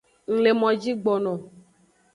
Ng le moji gbono.